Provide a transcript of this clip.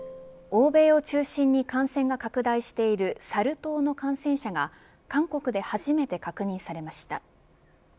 欧米を中心に感染が拡大しているサル痘の感染者が韓国で初めて確認されました。